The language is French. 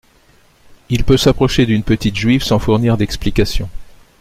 Il peut s’approcher d’une petite Juive sans fournir d’explications.